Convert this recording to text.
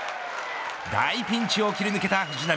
大ピンチを切り抜けた藤浪。